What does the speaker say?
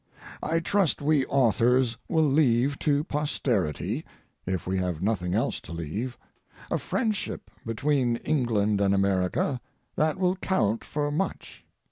I trust we authors will leave to posterity, if we have nothing else to leave, a friendship between England and America that will count for much.